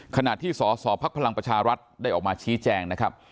ขณะที่สสพลังประชารัฐได้ออกมาชี้แจงนะครับ